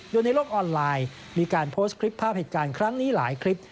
โดยในโลกออนไลน์มีการโพสต์คลิปภาพเหตุการณ์ครั้งนี้หลายคลิป